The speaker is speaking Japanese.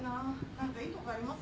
何かいいとこありません？